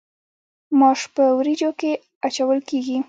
ماش په وریجو کې اچول کیږي.